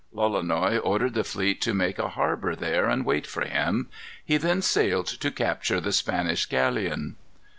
Lolonois ordered the fleet to make a harbor there, and wait for him. He then sailed to capture the Spanish galleon.